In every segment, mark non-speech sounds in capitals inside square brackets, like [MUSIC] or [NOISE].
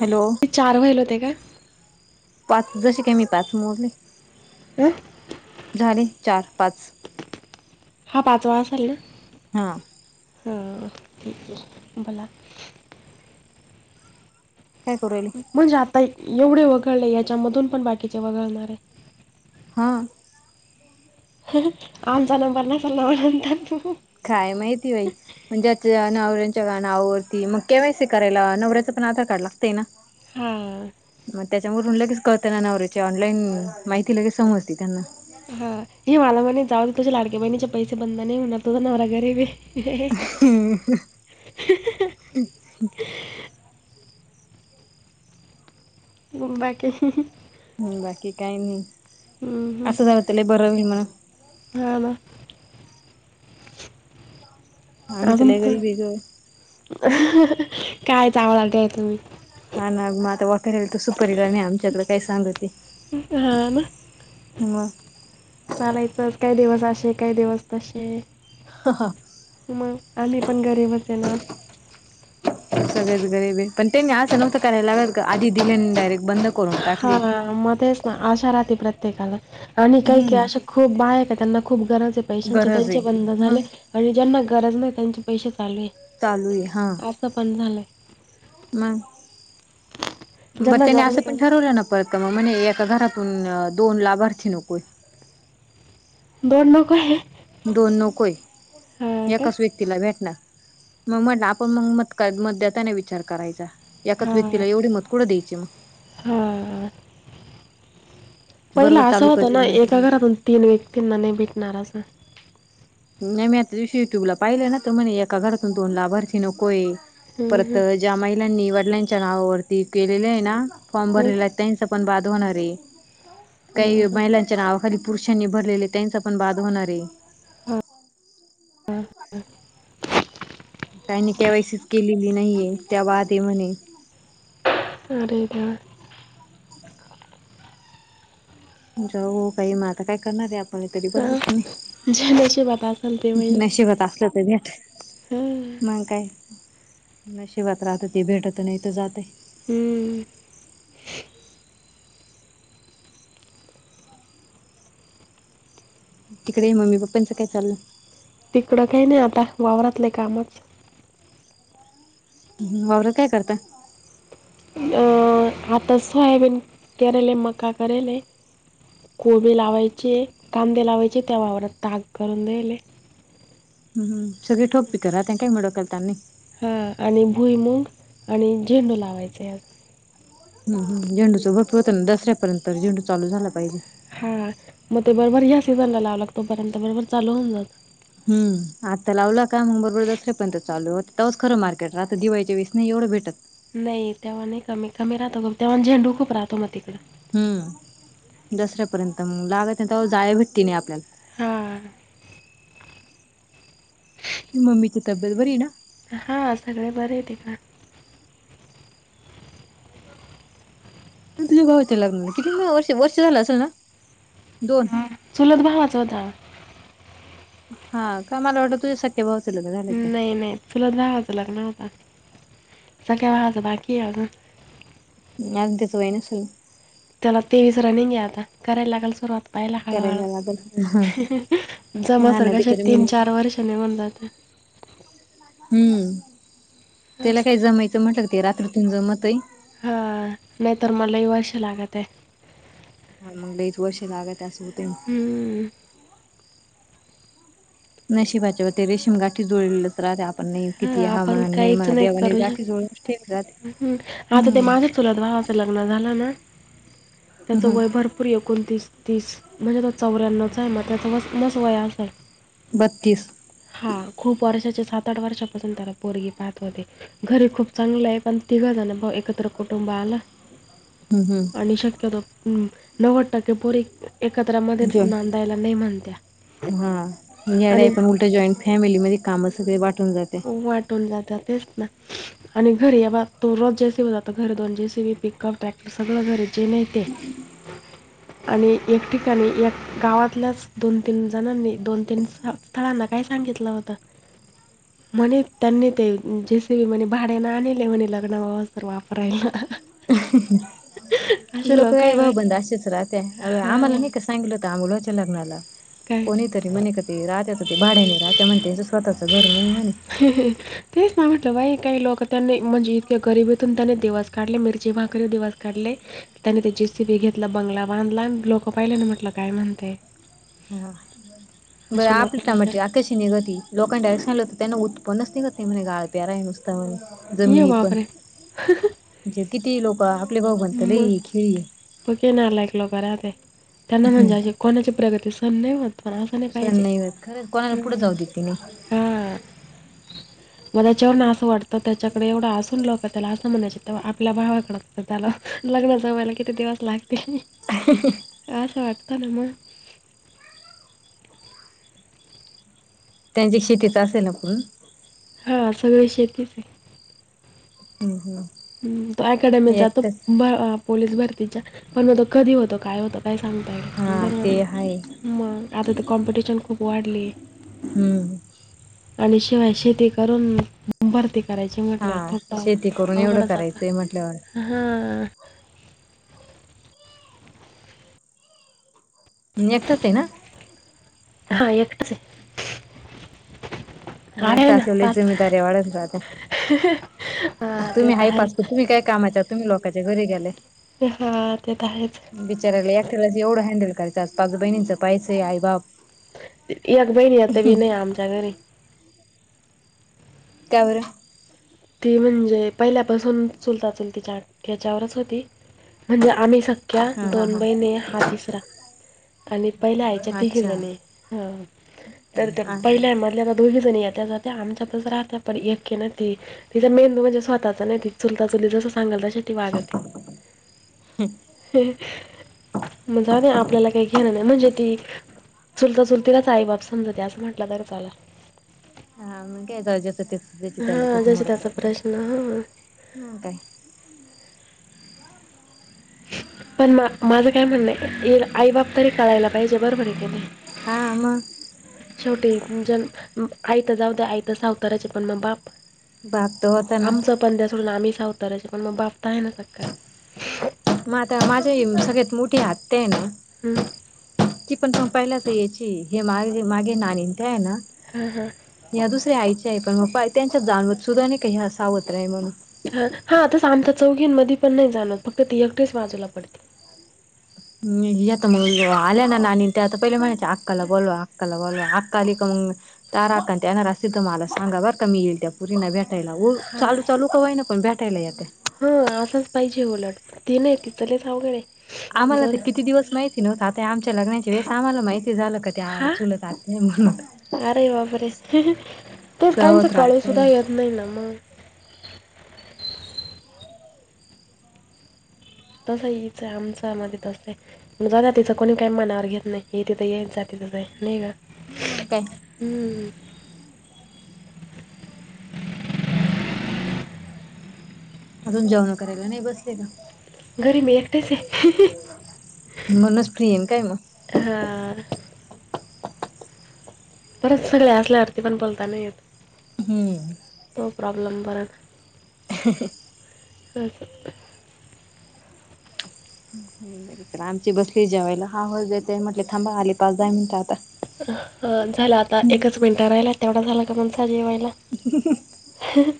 Hello ते चार बैल होते का पाच जसे काय मी पाच मोडले हं झाले चार पाच हा पाचवा असल ना हा ह क बला काय करू राहिली. म्हणजे आता एवढे वगळले याच्यामधून पण बाकीचे वगळणार आहे. हा आमचा नंबर नाही पण व्यवसायात त्याच्या काय माहिती बाई म्हणजे अच्छा नवऱ्याच्या गा नाववरती मग केवायसी करायला नवऱ्याच पण आधार कार्ड लागतंय ना हु मग त्याच्यामधून लगेच कळतना नवऱ्याची ऑनलाईन माहिती लगेच समजती त्यांना हा हे मला म्हणे जाऊन तुझ्या लाडके बहिणीचे पैसे बंद नाही होणार तुझा नवरा गरीब ऐ हम्म--हु बाकी--ही ही हम्म बाकी काही नाही हम्म. असं झालं तर लई बरं होईल म्हणा हा ना आम्ही आजून लय तर गरीब आहे ग काय चावळालत्या तुम्ही हा ना मग आता वकारी आली तर सुपारीला नाही आमच्याकड काय सांगते. हा ना मग चालायचच काही दिवस अशे काही दिवस तशे हा हां मग आम्ही पण गरीबच आहे ना सगळेच गरीब आहे पण त्यांनी असं नव्हतं करायला लागत का आधी दिले आणि डायरेक्ट बंद करून टाकली. हा ना म तेच ना आशा राहती प्रत्येकाला आणि काही काही हम्म. अशा खूप बाया आहे का त्यांना खूप गरज आहे पैशांची गरज आहे त्यांचे बंधन झाले. मग आणि ज्यांना गरज नाही त्यांचे पैसे चाले चालू हा आहे असं पण झालंय. मग बर ज्यांना त्यानी गरज आहे असं पण त्यांना ठरवलं ना पळत म म्हणे एका घरातून दोन लाभार्थी नकोय. दोड नकोय. दोन नकोय का? एकाच व्यक्ती ती ला भेटणार मग म्हटलं आपण मग मत देताना विचार करायचा एकाच हां, व्यक्तीला एवढे मत कुढं द्यायचे मग हां. बरोबर पहिला असं चालू होतं ना करतील नंतर एका घरातून तीन व्यक्तींना नाही भेटणार असं नाही मी आता त्या दिवशी युट्यूबला पाहिले ना तर म्हणे एका घरातून दोन लाभार्थी नकोय हं, परत हं, ज्या महिलांनी वडिलांच्या नावावरती केलेल आहे ना फॉर्म हं. भरलेला त्यांच पण बाद होणार आहे काही हां. महिलांच्या नावा खाली पुरुषांनी भरलेले त्यांच पण बाद होणार आहे. हा [INAUDIBLE] हां ह काहींनी केवायसी च केलेली नाहीये त्या बाध आहे म्हणे अरे यार जावो काही म आता काय करणारे आप आणि तरी पण हां, होत नाही जे नशिबात असेल ते होईल. नशिबात असल तर तर भेटल हां. मग काय नशिबात राहत ते भेटत नाही तर जातय. हम्म तिकडे मम्मी पप्पांचं काय चाललं तिकडं काही नाही आता वावरातले कामच नवर काय करताय अ आता सोयाबीन करायले मका करायले. कोबी लावायचे कांदे लावायचे त्या वावर ताग करून द्यायले. हम्म सगळी ठोक पिक राहतात मग काय डोक्याला ताण नाही. हा आणि भुईमुग आणि झेंडू लावायचा आ. हम्म हम्म झेंडूचं होत होतना दसऱ्यापर्यंत झेंडू चालू झाला पाहिजे. हा मग ते बरोबर ह्या सीझन ला लावावा लागतो तो पर्यंत बरोबर चालू होऊन जातो. हम्म आता लावला का मग बरोबर दसऱ्यापर्यंत चालू होतो तवाच खंर मार्केट राहत दिवाळीच्या वेळेस नाही एवढं भेटत नाही तेव्हा नाही कमी कमी राहतो तेव्हा झेंडू खूप राहतो मग तिकडं हम्म दसऱ्यापर्यंत मग लागत्या ना तेव्हा जाळया भेटती नाही आपल्याला हा मम्मी ची तब्येत बरी आहे ना? हां सगळे बर आहे तिकड. तुझ्या भावाच्या लग्नाला किती वर्ष वर्ष झालं असेल ना दोन. चुलत भावाचा होता. हा काय मला वाटंल तुझ्या स ख्या भावाच लग्न झालं. काय? नाही नाही चुलत भावाचं लग्न होत. सख्ख्या भावाचं बाकी आहे अजून. अजून त्याच वय नसेल? त्याला तेवीस रनिंग आता, करायला लागेल सुरुवात पहायला हळूहळू. करायला लागल हा ना जमसतोवर बिचारी तीन मम्मी चार वर्ष निघून जातात. हम्म त्याला असं काय जमायचं म्हटलं ते रात्रीतून जमत आहे हा नाहीतर मग लय वर्ष लागताय हा मग लईच वर्ष लागत अस होते. हम्म. नशिबाच्यावर ते रेशीम गाठी जुळलं राहू दे आपण नाही हां किती हा आपण म्हणा नाही काहीच म्हणा देवाने करू शक गाठी जुळवूनच ठेवल्यात हम्म. आता ते हम्म. माझ्या चुलत भावाच लग्न झालं ना त्याचं हम्म वय भरपू पुर एकोणतीस तीस म्हणजे तो चौऱ्याणच आहे मग त्याचा वस एवढच वय असेल. बत्तीस. हा खूप वर्षाच्या सात आठ वर्षापासून त्याला पोरगी पाहत होते. घरी खूप चांगलं आहे पण तिघं जण भाऊ एकत्र कुटुंब आल हम्म हम्म. आणि शक्यतो हम्म नव्वद टक्के पोरी एकत्रमध्ये जॉईन नांदायला नाही म्हणत्या आणि ते जॉईंट फॅमिलीमध्ये काम सगळी वाटून जात. वाटून जातात तेच ना. आणि घरी या तो रोज जेसीब ज घरी दोन जेसीबी पिकअप ट्रॅक्ट सगळ घरीचे नाही ते. [INAUDIBLE] आणि एक ठिकाणी एक गावातल्याच दोन तीन जणांनी दोन तीन स स्थळांना काय सांगितलं होतं म्हणे त्यांनी ते जे सी बी म्हणे भाड्यान आणिले म्हणे लग्न होस तोवर वापरायला. असे लोक काय आहे भाऊ बाई बंद असेच राहते आम्हाला हा नाही कस सांगितलं होतं अमोल भाऊच्या लग्नाला काय कोणी तरी म्हणे का ते राह्याच ते भाड्या नाही राहत्या म्हणते स्वतःच घर नाही म्हणे. तेच ना म्हटलं बाई काही लोक त्यांनी म्हणजे इतक्या गरीबीतून त्याने दिवस काढले मिरची भाकरी दिवस काढले त्यानी ते जे सी बी घेतलं, बंगला बांधला आणि लोक पाहिले ना म्हटलं काय म्हणते. हा बरं अशी लोक आपले टमाटे राहतात कशी निघती लोकांना [UNINTELLIGIBLE] होते त्यांना उतपन्न निघत नाही म्हणे गाळ प्याराय नुसत म्हणे. ये जमिनी पण बापरे म्हणजे किती लोक भाऊ म्हणता लई मग हे खेळी आहे पक्के नालायक लोक राहते त्यांना हम्म म्हणजा कोणाची प्रगती सहन नाही होत. पण असं सहन पाहिजे नाही होत खरं कोणाला पुढे जाऊ देते नाय हा मला त्याच्यावरन अस वाटतं त्याच्याकडे एवढं असून लोक क त्याला असं म्हणायच तवा आपल्या भावाकडलं लग्ना जमायला किती दिवस लागतील. [INAUDIBLE] अस वाटत ना मग. त्यांची शेतीच असेल ना [UNINTELLIGIBLE] हा सगळ शेतीच आहे. [INAUDIBLE] हम्म हम्म. हम्म तो अकॅडमीत जातो एकटच बा पोलीस भरतीच्या पण मग तो कधी होतो, काय होतं काय सांगता येईल हा बरोबर ते नाही आहे मग आता तर कॉम्पिटिशन खूप वाढलीये हम्म. आणि शिवाय शेती करून भरती करायची म्हटल्या हा थोडं शेती करून एवढं अवघड जात करायचंय म्हटल्यावर हां. एकटंच आहे ना. हा एकटच आहे. एकट अरे ना असलेवले पाच जमीदारी वाढत राात हा ते तुम्ही तर हापास आहेच तुम्ही काय काम तुम्ही लोकांच्या घरी गेले. हा ते त आहेच. बिचारायला एकट्यालाच एवढं हँडल करायं पाग बहिणींच पैसे आई बाप अग बहिणीया ते ब नाही आमच्यागरी. त्यावर. ती म्हणजे पहिल्यापासून चुलता चुलतीच्या ख्याच्यावरच होती म्हणजे आम्ही सख्या हा हा दोनबैने हा तिसरा. आणि पहिले आयच्या अच्छा तीघेलाणी ह. तर हा पहिल्या मधले आता दोघी जण येत्या जाते आमच्या पच राहत पण एके न तिचा मेंदू म्हणजे स्वतःचा नाही त चुलता चुली जसं सांगाल तश वागत मगज आपल्याला काही घेणार नाही म्हणजे ती. चुलता चुलती का आई बाप समजते असं म्हटलं तर चला [UNINTELLIGIBLE] हा जशी त्याचा प्रश्न हा. म काय. पण म माझं काय म्हणणं आई बाप तरी कळायला पाहिजे बरोबर आहे त्यानी. हा मग. शेवटी ज आईता जाऊ द्या आईत सावताराचे पण मग बाप. बाग त होता ना. पध्या सोडून आम्ही सा उतराायचे पण मग बापता आहे ना सगका म आता माझ्या सगळ्यात मोठी हात्या ना. हं, ती पण पग पहिला तर याची हे माझ मागे नाणीं ते आहे ना. हा हां. ह्या दुसऱ्या आयचे आहे पण मग त्यांच्या जाणवत सुद्धा नाही काही हासावत नाही म्हणून. हा हा आताच आमच्या चौघींमध्येध पण नाही जाण फक्त तेी एकटेच बाजूला पडते. आता मग आल्या ना ना त्या आता पहिले म्हणायच अक्काला बोलो अक्काला बोलो आकाली का मग ताराकत येणार असते तुम्हाला सांा ब कमी येल त्या्या पूरी नव्या भेटायला चालू चालू क्हाय ना पण भेटायला या. ह असाच पाहिजे उलट ते नाही ति चलेच अवघडे आहे. आम्हाला जाऊ दे. तर किती दिवस माहिती नव्हत आता आमच्या लग्नाची वेळेस आम्हाला माहिती झालं का त्या हां? चुलत हे म मत. अरे बाबरे तेच काहीच सावत्र कळ आत्या आहे सुद्धा येत नाही ना मग. तसं इच आहे आमच्यामध्येध्ये तसं आहे. ण जात तिथं कोणी काही मानावर घेत नाही तिथं येत जात तिथंही नाही का. हम् मग काय. हम्म. अजून जेवण करायला नाही बसले का. घरी मी एकट्याच आहे म्हणूनच फ्री आहे काय मग हा. परत सगळे असल्यावररती पण बोलता नाही येत. हम्म. तो प्रॉब्लेम बरत. [UNINTELLIGIBLE] अस सं बर आमची बसली जेवायला हाव जेते म्हटले थांबा आले पाच दहा मिनिटं आता. झाला आता. एकच मिनिटात राहिलाय तेवढा झाला का. मग जा जेवायला. ह [UNINTELLIGIBLE]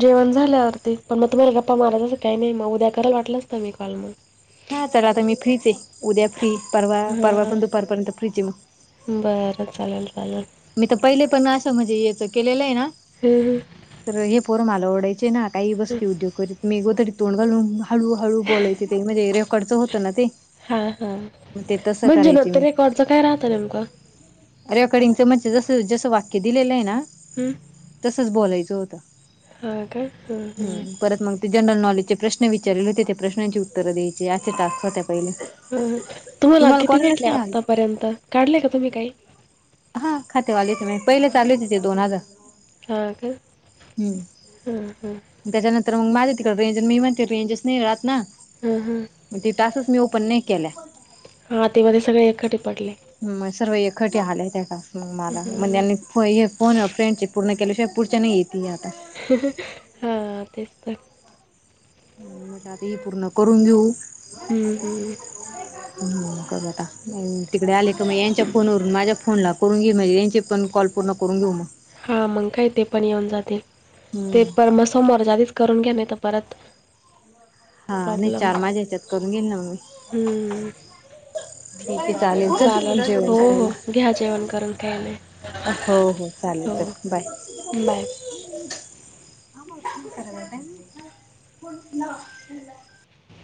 जेवण झाल्यावरती. पण मग तुम्हाला गप्पा मारायला अस काही नाही म उद्या करल वाटलंसत मी कॉल मग. हा चला. आता मी फ्रीचे. उद्या फ्री परवा परवा हा. पण दुपारपर्यंत फ्रीचे म. बरं चालेल चालेल. मी त पहिले पण असं म्हणजे, याचं केलेलंय ना. हम्म हम्म. तर हे पोरं मला ओरडायचे ना. काही बसते उद्योग करीत. मी गोदडीत तोंड घालून. हळू हळू बोलायचे ते. म्हणजे रेकॉर्डच होतं ना ते. हा हा. मग ते तसं म्हणजे न तर रेकॉर्ड च काय राहत नेमक. रेकडिंगचं म्हणजे, जस जस वाक्य दिलेलंय ना. हम्म. तसच बोलायचं होत. हां का हं हं. हम्म परत मग ते जनरल नॉलेजचे प्रश्न विचारेल होते. त्या प्रश्नांची उत्तर द्यायचे. असे टास्क होत्या पहिले. ह ह. तुम्हाला किती कोणालाच भेटले नाही आले आत्तापर्यंत. काढले का तुम्ही काही. हा खातेव आले होते माहे. पहिलेच आले होते दोन हजार. हा का? हम्म ह, ह. त्याच्यानंतर मग माझ्या तिकडे रेंज, मी म्हणते रेंजस नाही राहत ना. हं हं. ते टासच मी ओपन नाही केल्या. हा ते मध्ये सगळे एकखटी पडले. म सर्व एकखटी आले. त्या टास्क म मला. म हं त्यांनी हो हे, फोन अ फ्रेंडचे पूर्ण केल्याशिवाय. पुढच्या नाही येतीय आता. हा, तेच तर. म्हटलं आता. हे पूर्ण करून घेऊ. हं हं करु आता. तिकडे आले का मग यांच्या फोनवरून माझ्या फोनला करून घेईल. म्हणजे यांचे पण कॉल पूर्ण करून घेऊ मग. हा मग काय. ते पण येऊन जातील. हम्म ते पर म सोमवारच्या आदीच करून घ्या. नाही त परत हा. नाही प्रॉब्लेम चार माझ्या या्याच्यात करून घेईल ना म मी. हम्म. ठीके चालेल. चल चालेल. जेवण हो हो करायला घ्या जेवण करून. काही नाही. हो हो चालेल चल हो बाय. बाय [INAUDIBLE]